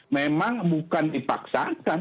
memang bukan dipaksakan